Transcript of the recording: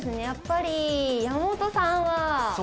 やっぱり山本さんは。